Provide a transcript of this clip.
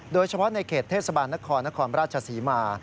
โดยเฉพาะในเขตเทศบาลนครนครราชศรีมา